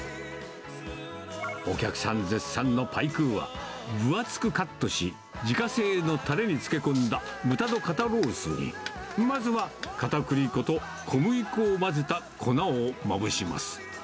お客さん絶賛のパイクーは、分厚くカットし、自家製のたれに漬け込んだ豚の肩ロースに、まずはかたくり粉と小麦粉を混ぜた粉をまぶします。